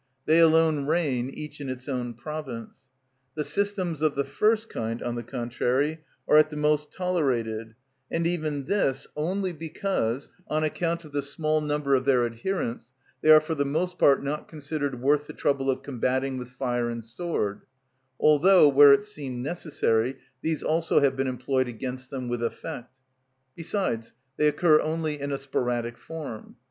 They alone reign, each in its own province. The systems of the first kind, on the contrary, are at the most tolerated, and even this only because, on account of the small number of their adherents, they are for the most part not considered worth the trouble of combating with fire and sword—although, where it seemed necessary, these also have been employed against them with effect; besides, they occur only in a sporadic form.